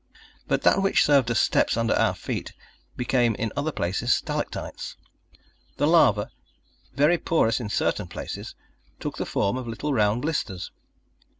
But that which served as steps under our feet became in other places stalactites. The lava, very porous in certain places, took the form of little round blisters.